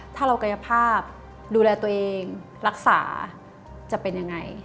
ถ้าเรากายภาพดูแลตัวเองรักษาจะเป็นยังไง